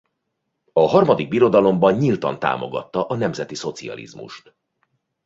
A Harmadik Birodalomban nyíltan támogatta a nemzeti szocializmust.